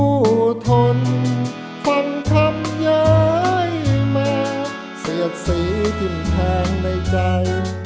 อุทนความคำย้ายมาเสียดเสียทิ้งทางในใจ